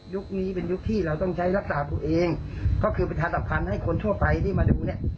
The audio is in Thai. นี้เป็นยุคที่เราต้องใช้รักษาตัวเองก็คือประธานสำคัญให้คนทั่วไปที่มาดูเนี่ย